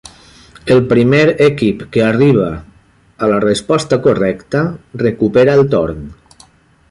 El primer equip que arriba a la resposta correcta recupera el torn.